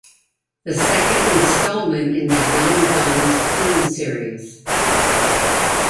The second installment in the "Young Guns film series".